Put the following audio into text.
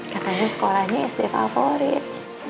katanya sekolahnya sd favorit